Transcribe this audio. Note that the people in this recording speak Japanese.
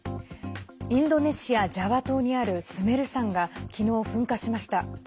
インドネシア・ジャワ島にあるスメル山が昨日、噴火しました。